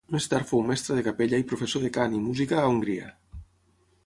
Més tard fou mestre de capella i professor de cant i música a Hongria.